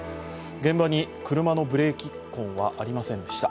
現場に車のブレーキ痕はありませんでした。